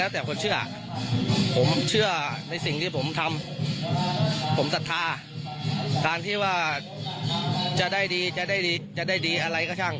แต่ว่าในสิ่งที่ผมทำผมสัทธาทางที่ว่าจะได้ดีจะได้ดีจะได้ดีอะไรก็ช่าง